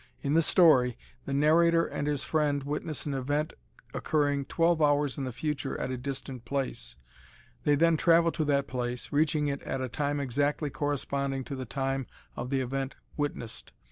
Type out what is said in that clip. In the story, the narrator and his friend witness an event occurring twelve hours in the future at a distant place. They then travel to that place, reaching it at a time exactly corresponding to the time of the event witnessed.